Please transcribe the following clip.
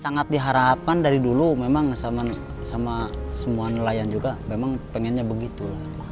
sangat diharapkan dari dulu memang sama semua nelayan juga memang pengennya begitu